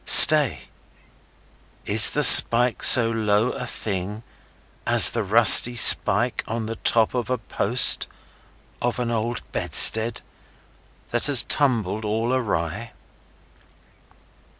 Stay! Is the spike so low a thing as the rusty spike on the top of a post of an old bedstead that has tumbled all awry?